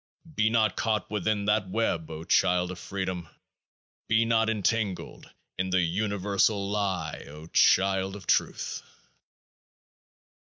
Be not caught within that web, O child of Freedom ! Be not entangled in the universal lie, O child of Truth